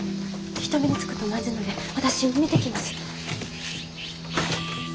人目につくとまずいので私見てきます。